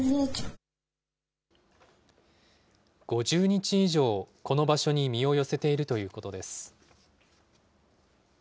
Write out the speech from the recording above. ５０日以上、この場所に身を寄せているということです。